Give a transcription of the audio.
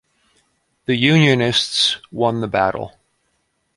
The unionists won the battle.